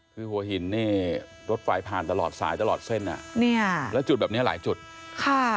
คือหัวหินนี่รถไฟผ่านตลอดสายตลอดเส้นอ่ะเนี่ยแล้วจุดแบบเนี้ยหลายจุดค่ะ